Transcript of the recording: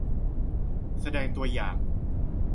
แสดงตัวอย่าง